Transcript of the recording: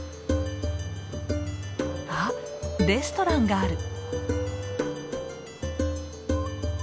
あレストランがある。